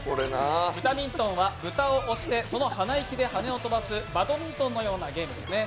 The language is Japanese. ブタミントンは鼻息で羽を飛ばすバドミントンのようなゲームですね。